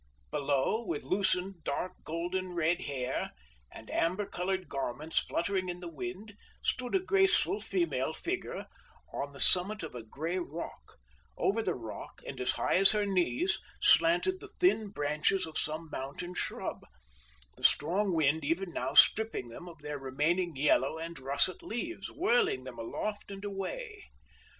Below, with loosened dark golden red hair and amber colored garments fluttering in the wind, stood a graceful female figure on the summit of a gray rock; over the rock, and as high as her knees, slanted the thin branches of some mountain shrub, the strong wind even now stripping them of their remaining yellow and russet leaves, whirling them aloft and away.